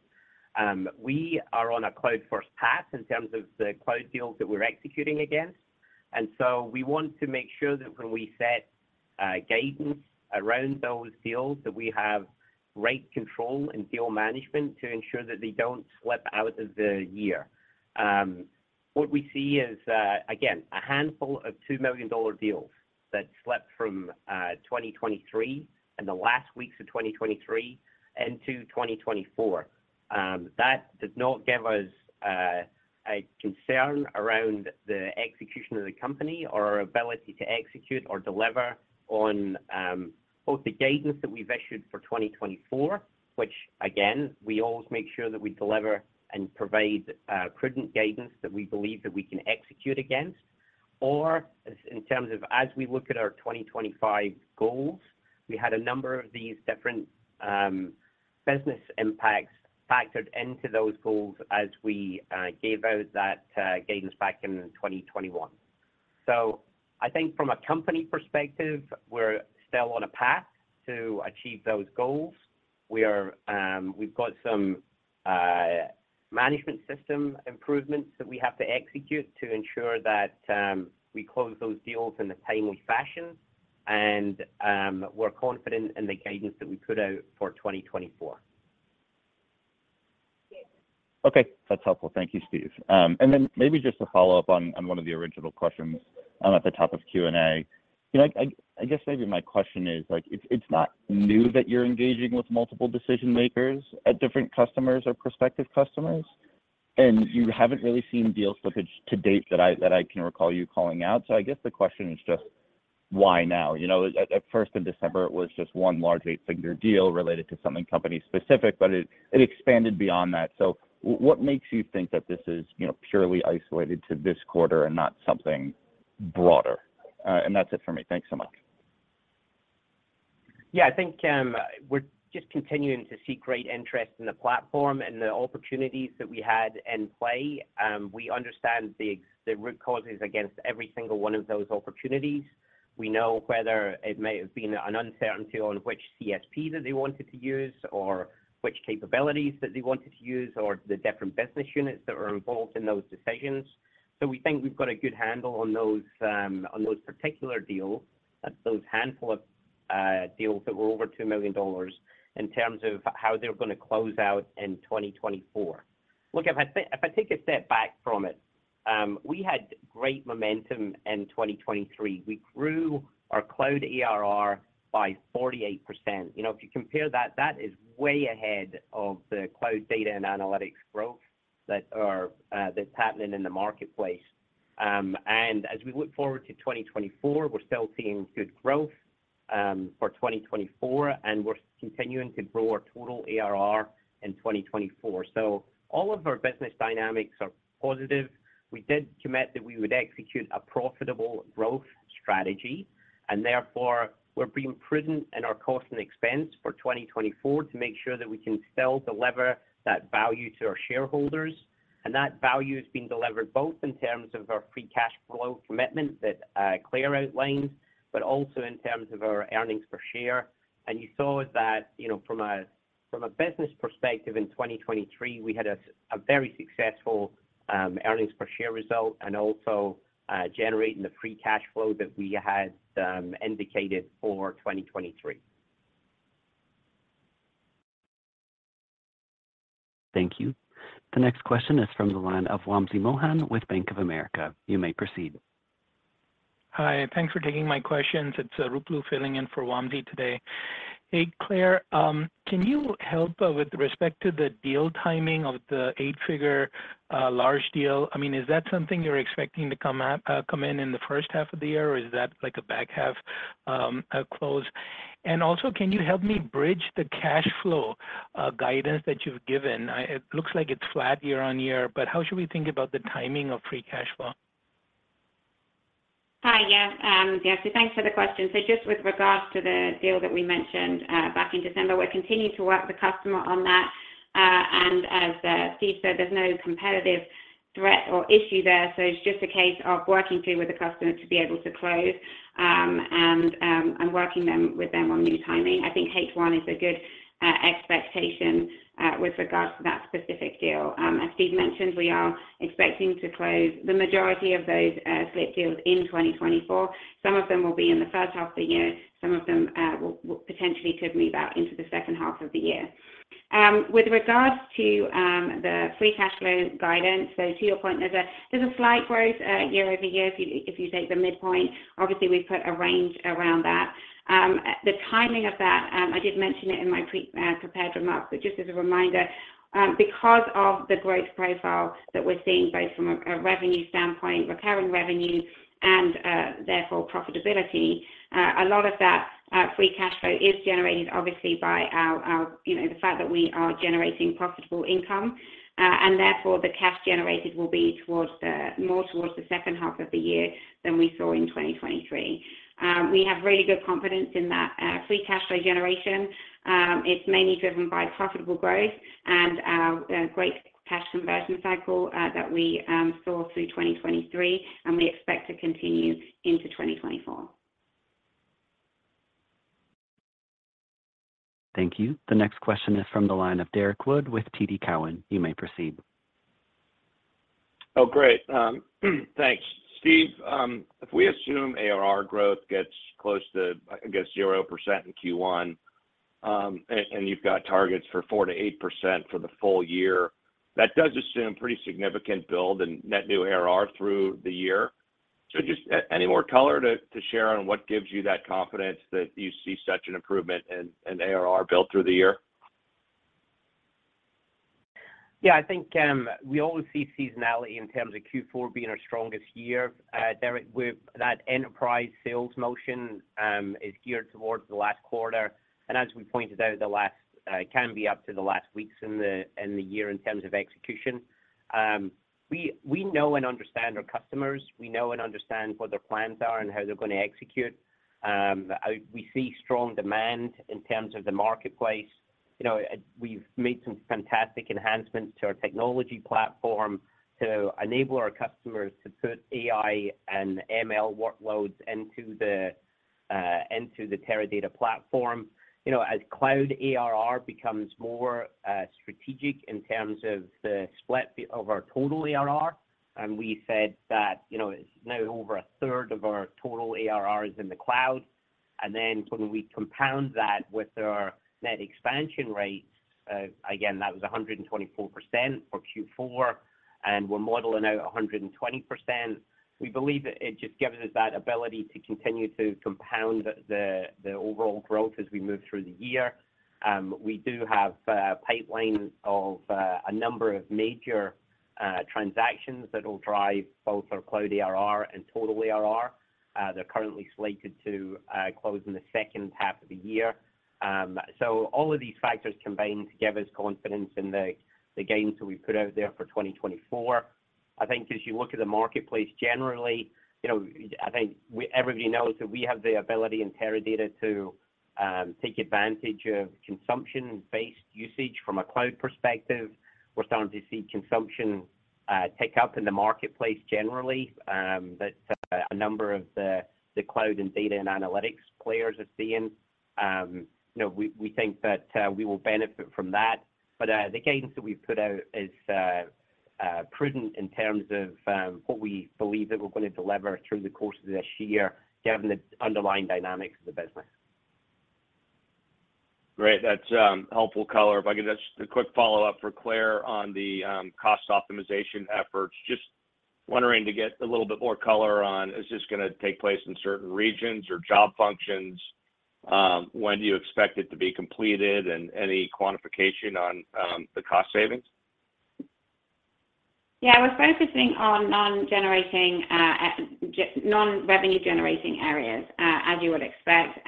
We are on a cloud-first path in terms of the cloud deals that we're executing against. And so we want to make sure that when we set guidance around those deals, that we have rate control and deal management to ensure that they don't slip out of the year. What we see is, again, a handful of $2 million deals that slipped from 2023 in the last weeks of 2023 into 2024. That does not give us a concern around the execution of the company or our ability to execute or deliver on both the guidance that we've issued for 2024, which, again, we always make sure that we deliver and provide prudent guidance that we believe that we can execute against. Or in terms of as we look at our 2025 goals, we had a number of these different business impacts factored into those goals as we gave out that guidance back in 2021. So I think from a company perspective, we're still on a path to achieve those goals. We've got some management system improvements that we have to execute to ensure that we close those deals in a timely fashion. And we're confident in the guidance that we put out for 2024. Okay. That's helpful. Thank you, Steve. And then maybe just to follow up on one of the original questions at the top of Q&A, I guess maybe my question is, it's not new that you're engaging with multiple decision-makers at different customers or prospective customers, and you haven't really seen deal slippage to date that I can recall you calling out. So I guess the question is just, why now? At first, in December, it was just one large eight-figure deal related to something company-specific, but it expanded beyond that. So what makes you think that this is purely isolated to this quarter and not something broader? And that's it for me. Thanks so much. Yeah. I think we're just continuing to see great interest in the platform and the opportunities that we had in play. We understand the root causes against every single one of those opportunities. We know whether it may have been an uncertainty on which CSP that they wanted to use or which capabilities that they wanted to use or the different business units that were involved in those decisions. So we think we've got a good handle on those particular deals, those handful of deals that were over $2 million in terms of how they're going to close out in 2024. Look, if I take a step back from it, we had great momentum in 2023. We grew our cloud ARR by 48%. If you compare that, that is way ahead of the cloud data and analytics growth that's happening in the marketplace. As we look forward to 2024, we're still seeing good growth for 2024, and we're continuing to grow our total ARR in 2024. All of our business dynamics are positive. We did commit that we would execute a profitable growth strategy. Therefore, we're being prudent in our cost and expense for 2024 to make sure that we can still deliver that value to our shareholders. That value has been delivered both in terms of our free cash flow commitment that Claire outlined, but also in terms of our earnings per share. You saw that, from a business perspective in 2023, we had a very successful earnings per share result and also generating the free cash flow that we had indicated for 2023. Thank you. The next question is from the line of Wamsi Mohan with Bank of America. You may proceed. Hi. Thanks for taking my questions. It's Ruplu filling in for Wamsi today. Hey, Claire, can you help with respect to the deal timing of the eight-figure large deal? I mean, is that something you're expecting to come in in the first half of the year, or is that a back-half close? And also, can you help me bridge the cash flow guidance that you've given? It looks like it's flat year-over-year, but how should we think about the timing of free cash flow? Hi. Yeah. Yes, thanks for the question. So just with regards to the deal that we mentioned back in December, we're continuing to work with the customer on that. And as Steve said, there's no competitive threat or issue there. So it's just a case of working through with the customer to be able to close and working with them on new timing. I think H1 is a good expectation with regards to that specific deal. As Steve mentioned, we are expecting to close the majority of those slip deals in 2024. Some of them will be in the first half of the year. Some of them potentially could move out into the second half of the year. With regards to the Free Cash Flow guidance, so to your point, there's a slight growth year-over-year if you take the midpoint. Obviously, we've put a range around that. The timing of that, I did mention it in my prepared remarks, but just as a reminder, because of the growth profile that we're seeing both from a revenue standpoint, recurring revenue, and therefore profitability, a lot of that free cash flow is generated, obviously, by the fact that we are generating profitable income. Therefore, the cash generated will be more towards the second half of the year than we saw in 2023. We have really good confidence in that free cash flow generation. It's mainly driven by profitable growth and a great cash conversion cycle that we saw through 2023, and we expect to continue into 2024. Thank you. The next question is from the line of Derrick Wood with TD Cowen. You may proceed. Oh, great. Thanks. Steve, if we assume ARR growth gets close to, I guess, 0% in Q1, and you've got targets for 4%-8% for the full year, that does assume pretty significant build in net new ARR through the year. So just any more color to share on what gives you that confidence that you see such an improvement in ARR built through the year? Yeah. I think we always see seasonality in terms of Q4 being our strongest year. That enterprise sales motion is geared towards the last quarter. And as we pointed out, it can be up to the last weeks in the year in terms of execution. We know and understand our customers. We know and understand what their plans are and how they're going to execute. We see strong demand in terms of the marketplace. We've made some fantastic enhancements to our technology platform to enable our customers to put AI and ML workloads into the Teradata platform. As Cloud ARR becomes more strategic in terms of the split of our total ARR, and we said that now over 1/3 of our total ARR is in the cloud. And then when we compound that with our net expansion rate, again, that was 124% for Q4, and we're modeling out 120%, we believe it just gives us that ability to continue to compound the overall growth as we move through the year. We do have a pipeline of a number of major transactions that will drive both our cloud ARR and total ARR. They're currently slated to close in the second half of the year. So all of these factors combined give us confidence in the gains that we put out there for 2024. I think as you look at the marketplace generally, I think everybody knows that we have the ability in Teradata to take advantage of consumption-based usage from a cloud perspective. We're starting to see consumption tick up in the marketplace generally, that a number of the cloud and data and analytics players are seeing. We think that we will benefit from that. But the guidance that we've put out is prudent in terms of what we believe that we're going to deliver through the course of this year given the underlying dynamics of the business. Great. That's helpful color. If I could just a quick follow-up for Claire on the cost optimization efforts. Just wondering to get a little bit more color on, is this going to take place in certain regions or job functions? When do you expect it to be completed? And any quantification on the cost savings? Yeah. We're focusing on non-revenue-generating areas, as you would expect.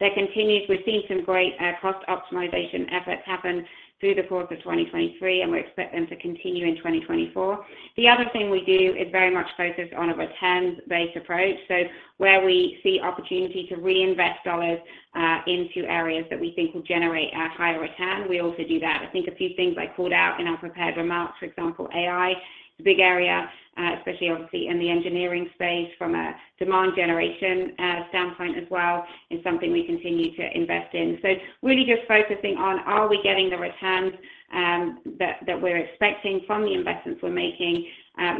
We've seen some great cost optimization efforts happen through the course of 2023, and we expect them to continue in 2024. The other thing we do is very much focus on a returns-based approach. So where we see opportunity to reinvest dollars into areas that we think will generate a higher return, we also do that. I think a few things I called out in our prepared remarks, for example, AI is a big area, especially, obviously, in the engineering space from a demand generation standpoint as well. It's something we continue to invest in. So really just focusing on, are we getting the returns that we're expecting from the investments we're making,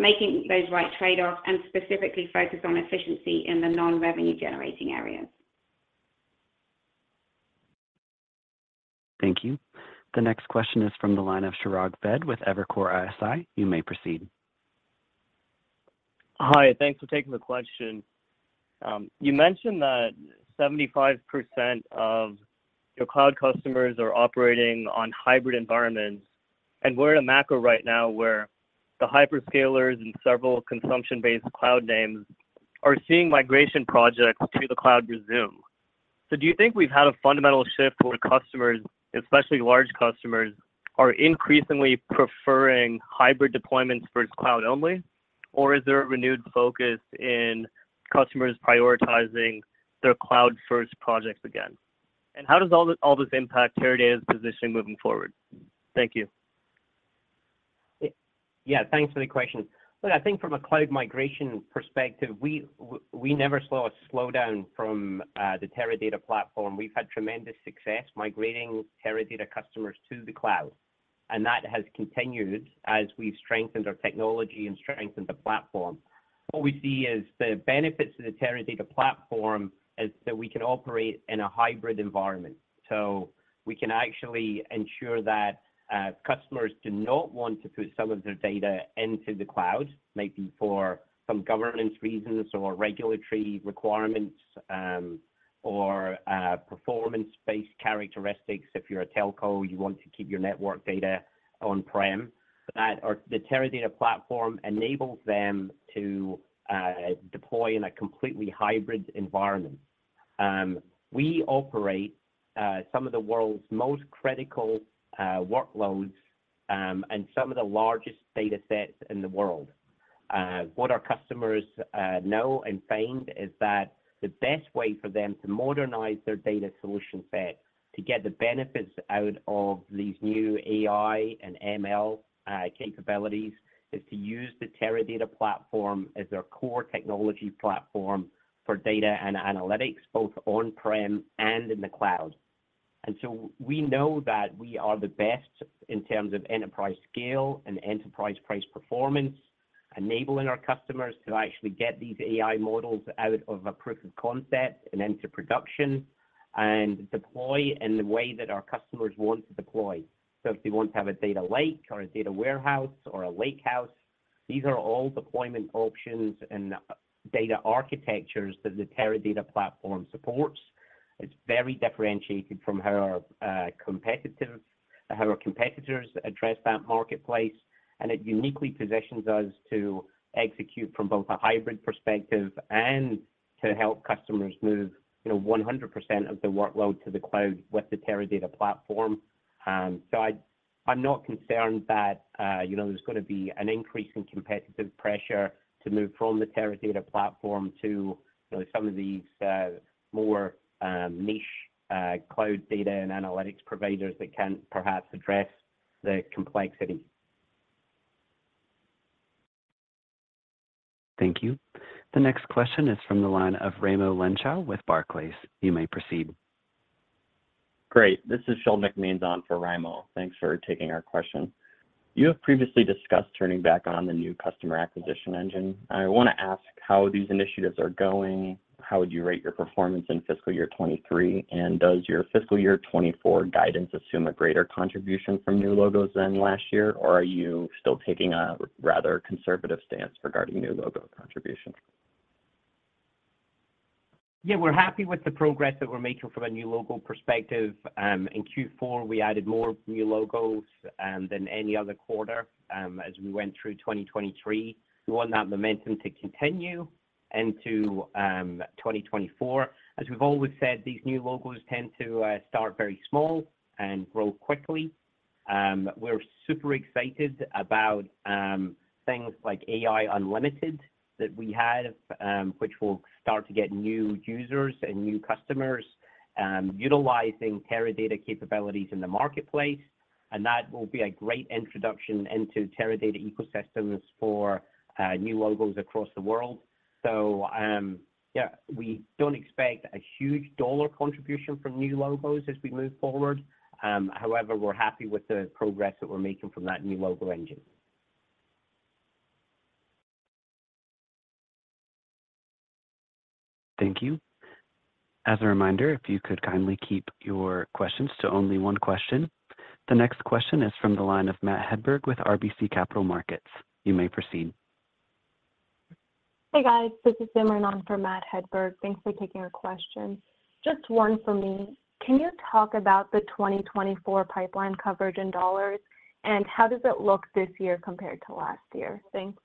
making those right trade-offs, and specifically focus on efficiency in the non-revenue-generating areas? Thank you. The next question is from the line of Chirag Ved with Evercore ISI. You may proceed. Hi. Thanks for taking the question. You mentioned that 75% of your cloud customers are operating on hybrid environments. We're at a macro right now where the hyperscalers and several consumption-based cloud names are seeing migration projects to the cloud resume. Do you think we've had a fundamental shift where customers, especially large customers, are increasingly preferring hybrid deployments versus cloud-only? Is there a renewed focus in customers prioritizing their cloud-first projects again? How does all this impact Teradata's positioning moving forward? Thank you. Yeah. Thanks for the question. Look, I think from a cloud migration perspective, we never saw a slowdown from the Teradata platform. We've had tremendous success migrating Teradata customers to the cloud. And that has continued as we've strengthened our technology and strengthened the platform. What we see is the benefits of the Teradata platform is that we can operate in a hybrid environment. So we can actually ensure that customers do not want to put some of their data into the cloud, maybe for some governance reasons or regulatory requirements or performance-based characteristics. If you're a telco, you want to keep your network data on-prem. The Teradata platform enables them to deploy in a completely hybrid environment. We operate some of the world's most critical workloads and some of the largest datasets in the world. What our customers know and find is that the best way for them to modernize their data solution set to get the benefits out of these new AI and ML capabilities is to use the Teradata platform as their core technology platform for data and analytics, both on-prem and in the cloud. And so we know that we are the best in terms of enterprise scale and enterprise price performance, enabling our customers to actually get these AI models out of a proof of concept and into production and deploy in the way that our customers want to deploy. So if they want to have a data lake or a data warehouse or a lakehouse, these are all deployment options and data architectures that the Teradata platform supports. It's very differentiated from how our competitors address that marketplace. It uniquely positions us to execute from both a hybrid perspective and to help customers move 100% of the workload to the cloud with the Teradata platform. I'm not concerned that there's going to be an increasing competitive pressure to move from the Teradata platform to some of these more niche cloud data and analytics providers that can perhaps address the complexity. Thank you. The next question is from the line of Raimo Lenschow with Barclays. You may proceed. Great. This is Sean McMahon for Raimo. Thanks for taking our question. You have previously discussed turning back on the new customer acquisition engine. I want to ask how these initiatives are going. How would you rate your performance in fiscal year 2023? And does your fiscal year 2024 guidance assume a greater contribution from new logos than last year? Or are you still taking a rather conservative stance regarding new logo contribution? Yeah. We're happy with the progress that we're making from a new logo perspective. In Q4, we added more new logos than any other quarter as we went through 2023. We want that momentum to continue into 2024. As we've always said, these new logos tend to start very small and grow quickly. We're super excited about things like AI Unlimited that we have, which will start to get new users and new customers utilizing Teradata capabilities in the marketplace. And that will be a great introduction into Teradata ecosystems for new logos across the world. So yeah, we don't expect a huge dollar contribution from new logos as we move forward. However, we're happy with the progress that we're making from that new logo engine. Thank you. As a reminder, if you could kindly keep your questions to only one question. The next question is from the line of Matt Hedberg with RBC Capital Markets. You may proceed. Hey, guys. This is Simran for Matt Hedberg. Thanks for taking our question. Just one for me. Can you talk about the 2024 pipeline coverage in dollars? And how does it look this year compared to last year? Thanks.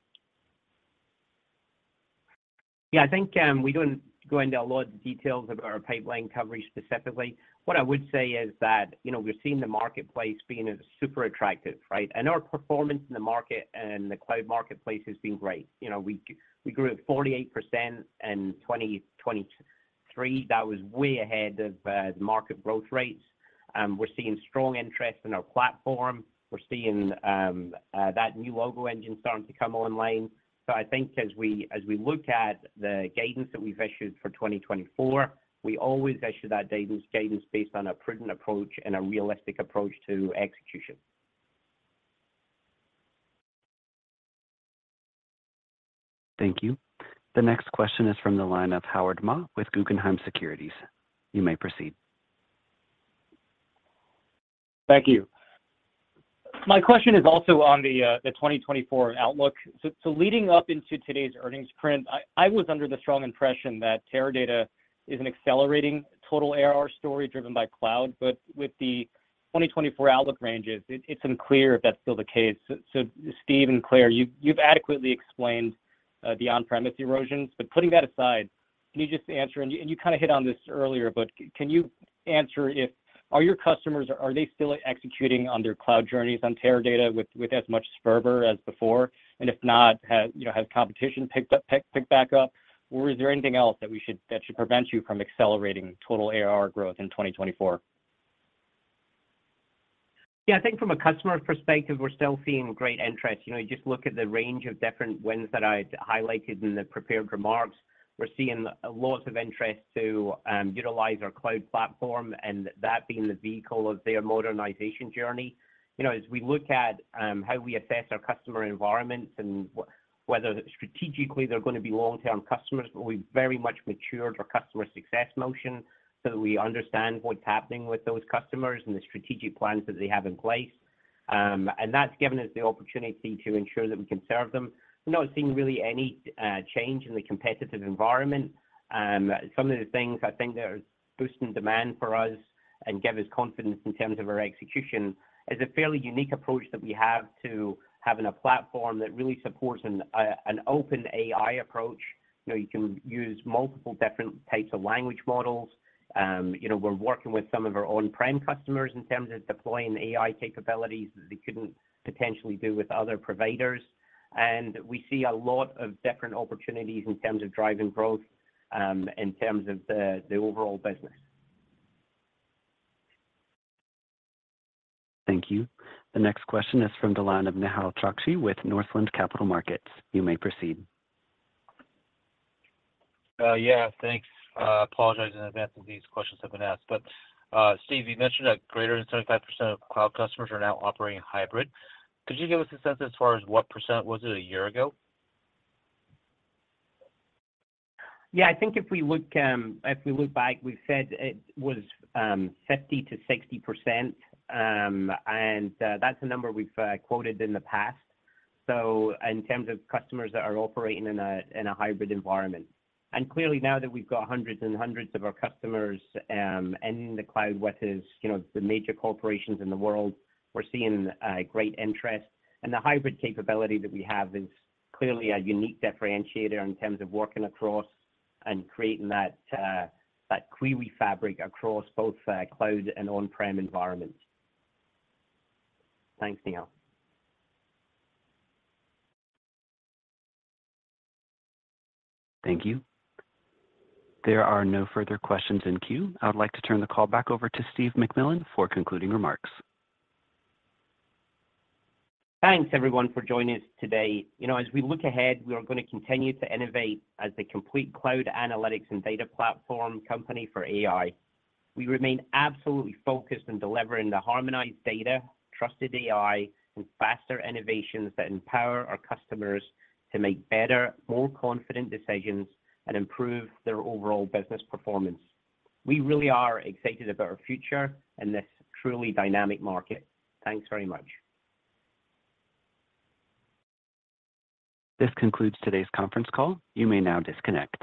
Yeah. I think we don't go into a lot of details about our pipeline coverage specifically. What I would say is that we're seeing the marketplace being super attractive, right? And our performance in the market and the cloud marketplace has been great. We grew at 48% in 2023. That was way ahead of the market growth rates. We're seeing strong interest in our platform. We're seeing that new logo engine starting to come online. So I think as we look at the guidance that we've issued for 2024, we always issue that guidance based on a prudent approach and a realistic approach to execution. Thank you. The next question is from the line of Howard Ma with Guggenheim Securities. You may proceed. Thank you. My question is also on the 2024 outlook. So leading up into today's earnings print, I was under the strong impression that Teradata is an accelerating total ARR story driven by cloud. But with the 2024 outlook ranges, it's unclear if that's still the case. So Steve and Claire, you've adequately explained the on-premise erosions. But putting that aside, can you just answer and you kind of hit on this earlier, but can you answer if are your customers, are they still executing on their cloud journeys on Teradata with as much fervor as before? And if not, has competition picked back up? Or is there anything else that should prevent you from accelerating total ARR growth in 2024? Yeah. I think from a customer perspective, we're still seeing great interest. You just look at the range of different wins that I highlighted in the prepared remarks. We're seeing lots of interest to utilize our cloud platform and that being the vehicle of their modernization journey. As we look at how we assess our customer environments and whether strategically, they're going to be long-term customers, but we've very much matured our customer success motion so that we understand what's happening with those customers and the strategic plans that they have in place. That's given us the opportunity to ensure that we can serve them. We're not seeing really any change in the competitive environment. Some of the things I think that are boosting demand for us and give us confidence in terms of our execution is a fairly unique approach that we have to having a platform that really supports an open AI approach. You can use multiple different types of language models. We're working with some of our on-prem customers in terms of deploying AI capabilities that they couldn't potentially do with other providers. And we see a lot of different opportunities in terms of driving growth in terms of the overall business. Thank you. The next question is from the line of Nehal Chokshi with Northland Capital Markets. You may proceed. Yeah. Thanks. Apologize in advance if these questions have been asked. But Steve, you mentioned that greater than 75% of cloud customers are now operating hybrid. Could you give us a sense as far as what % was it a year ago? Yeah. I think if we look back, we've said it was 50%-60%. And that's a number we've quoted in the past in terms of customers that are operating in a hybrid environment. And clearly, now that we've got hundreds and hundreds of our customers in the cloud with the major corporations in the world, we're seeing great interest. And the hybrid capability that we have is clearly a unique differentiator in terms of working across and creating that query fabric across both cloud and on-prem environments. Thanks, Nehal. Thank you. There are no further questions in queue. I would like to turn the call back over to Steve McMillan for concluding remarks. Thanks, everyone, for joining us today. As we look ahead, we are going to continue to innovate as the complete cloud analytics and data platform company for AI. We remain absolutely focused on delivering the harmonized data, trusted AI, and faster innovations that empower our customers to make better, more confident decisions and improve their overall business performance. We really are excited about our future in this truly dynamic market. Thanks very much. This concludes today's conference call. You may now disconnect.